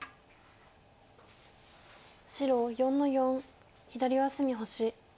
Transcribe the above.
白４の四左上隅星。